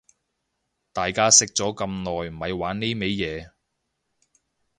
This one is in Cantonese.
大家識咗咁耐咪玩呢味嘢